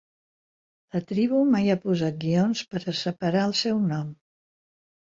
La tribu mai ha posat guions per a separar el seu nom.